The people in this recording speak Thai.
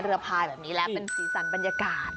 พายแบบนี้แหละเป็นสีสันบรรยากาศ